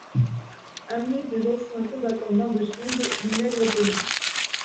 Avenue des Anciens Combattants d'Indochine, Nègrepelisse